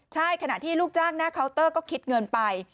ใช่ขณะที่ลูกจ้างหน้าเคาน์เตอร์ก็คิดเงินไป